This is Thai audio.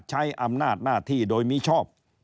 ใช้อำนาจหน้าที่โดยมิชอบ